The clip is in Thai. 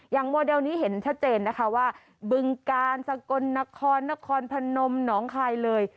โมเดลนี้เห็นชัดเจนนะคะว่าบึงกาลสกลนครนครพนมหนองคายเลย